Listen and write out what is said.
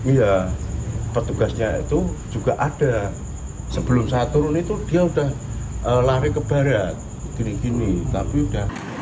iya petugasnya itu juga ada sebelum saya turun itu dia udah lari ke barat gini gini tapi udah